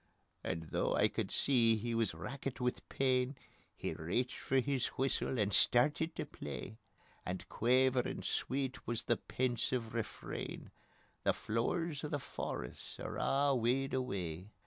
And though I could see he wis rackit wi' pain, He reached for his whistle and stertit tae play; And quaverin' sweet wis the pensive refrain: 'The floors o' the forest are a' wede away'.